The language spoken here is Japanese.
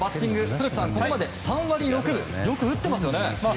古田さん、ここまで３割６分とよく打っていますね。